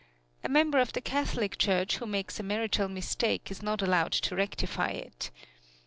A member of the Catholic Church who makes a marital mistake is not allowed to rectify it.